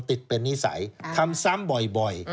ติดเป็นนิสัยทำซ้ำบ่อย